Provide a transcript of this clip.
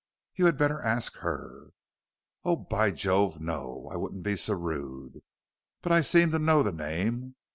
You had better ask her." "Oh, by Jove, no, I wouldn't be so rude. But I seem to know the name."